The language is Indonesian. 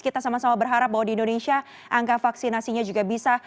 kita sama sama berharap bahwa di indonesia angka vaksinasinya juga bisa